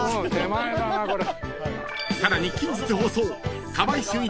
［さらに近日放送］